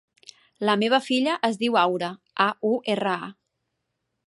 La meva filla es diu Aura: a, u, erra, a.